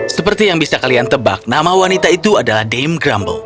seperti yang bisa kalian tebak nama wanita itu adalah dame grumble